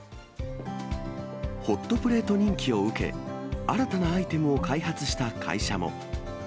ホットプレート人気を受け、新たなアイテムを開発した会社も。